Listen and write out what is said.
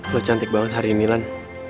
lu cantik banget hari ini lan